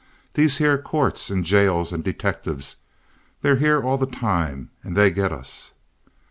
These here courts and jails and detectives—they're here all the time, and they get us.